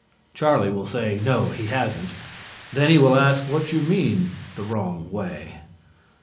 Charlie will say no he hasn't. Then he will ask what you mean the wrong way.